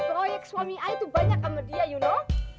proyek suami saya itu banyak sama dia you know